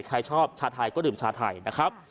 ใครชอบชาไทยก็ดื่มชาไทยนะครับ